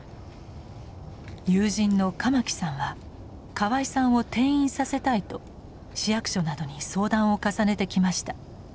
友人の鎌木さんは河合さんを転院させたいと市役所などに相談を重ねてきました。